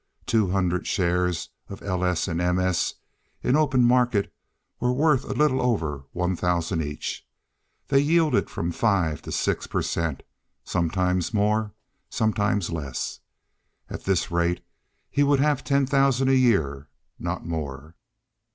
Two hundred shares of L. S. and M. S., in open market, were worth a little over one thousand each. They yielded from five to six per cent., sometimes more, sometimes less. At this rate he would have ten thousand a year, not more.